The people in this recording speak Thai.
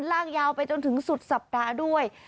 ลากยาวไปจนถึงสุดสัปดาห์ด้วย